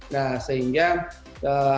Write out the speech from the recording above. nah sehingga tetap harus berhati hati